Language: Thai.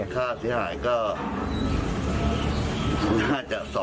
ถ้าสิ่งหายก็